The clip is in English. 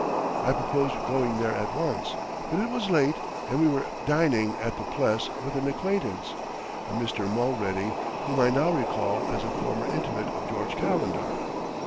I proposed going there at once, but it was late and we were dining at the Pless with an acquaintance, a Mr. Mulready, whom I now recall as a former intimate of George Calendar.